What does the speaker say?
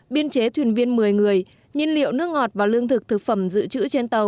biên chế thuyền viên một mươi người nhiên liệu nước ngọt và lương thực thực phẩm dự trữ trên tàu